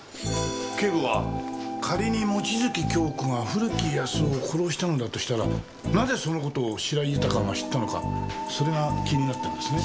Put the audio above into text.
警部は仮に望月京子が古木保男を殺したのだとしたらなぜその事を白井豊が知ったのかそれが気になってますね。